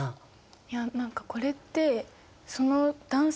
いや何かこれってその男性